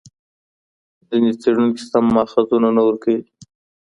ځیني څېړونکي سم ماخذونه نه ورکوي.